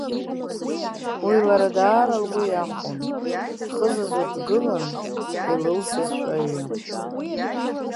Уи лара даара лгәы иахәон, дхызазо дгылан, илылсызшәа аҩы.